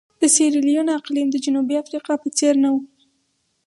د سیریلیون اقلیم د جنوبي افریقا په څېر نه وو.